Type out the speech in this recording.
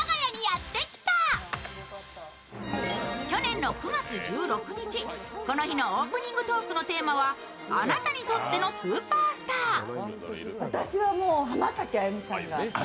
去年の９月１６日、この日のオープニングトークのテーマは「あなたにとってのスーパースター」。